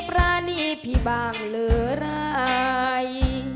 ไม่ปราณีพี่บ้างเหลือไร